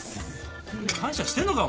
感謝してんのか？